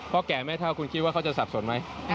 แก่แม่เท่าคุณคิดว่าเขาจะสับสนไหม